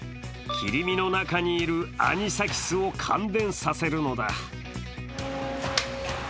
切り身の中にいるアニサキスを感電させるのだ。